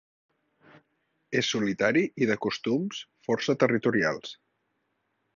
És solitari i de costums força territorials.